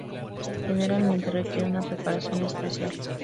Generalmente, requiere una preparación especial.